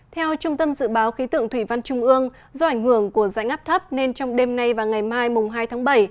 theo trung tâm dự báo khí tượng thủy văn trung ương do ảnh hưởng của dạnh áp thấp nên trong đêm nay và ngày mai hai tháng bảy